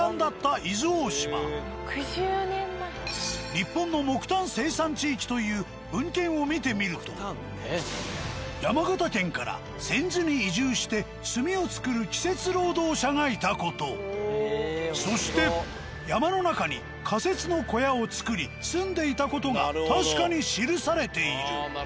「日本の木炭生産地域」という文献を見てみると山形県から泉津に移住して炭を作る季節労働者がいた事そして山の中に仮設の小屋を作り住んでいた事が確かに記されている。